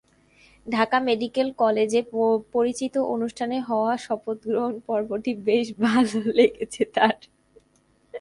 Dhaka medical কলেজে পরিচিতি অনুষ্ঠানে হওয়া শপথগ্রহণ পর্বটি বেশ ভালো লেগেছে তাঁর।